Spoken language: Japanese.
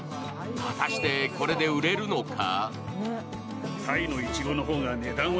果たしてこれで売れるのか？